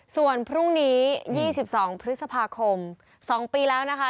ส่วนพรุ่งนี้๒๒พฤษภาคม๒ปีแล้วนะคะ